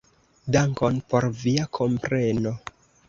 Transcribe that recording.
Dankon por via kompreno.